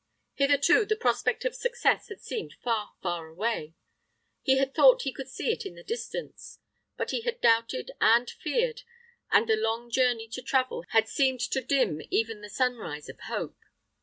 Hitherto the prospect of success had seemed far, far away; he had thought he could see it in the distance; but he had doubted, and feared, and the long journey to travel had seemed to dim even the sunrise of hope.